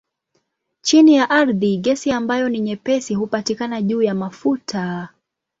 Chini ya ardhi gesi ambayo ni nyepesi hupatikana juu ya mafuta.